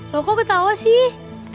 loh kok ketawa sih